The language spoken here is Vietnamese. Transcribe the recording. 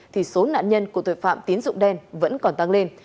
thì số nạn nhân của tội phạm tín dụng đen vẫn còn tăng lên